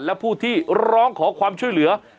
และผู้ที่ร้องขอความช่วยเหลือ